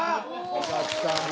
よかった。